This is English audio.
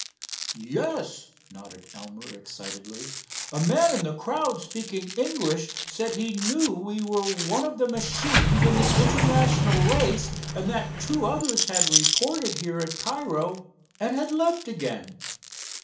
"Yes," nodded Elmer excitedly, "a man in the crowd speaking English said he knew we were one of the machines in the international race, and that two others had reported here at Cairo and had left again."